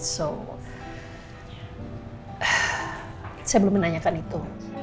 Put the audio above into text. jadi saya belum menanyakan itu